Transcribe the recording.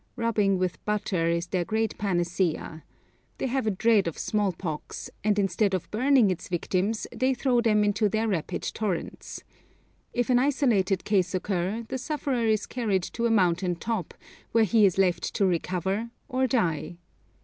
Rubbing with butter is their great panacea. They have a dread of small pox, and instead of burning its victims they throw them into their rapid torrents. If an isolated case occur, the sufferer is carried to a mountain top, where he is left to recover or die.